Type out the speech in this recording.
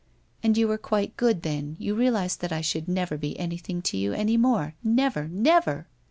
And you were quite good then, you realized that I should never be anything to you any more, never, never!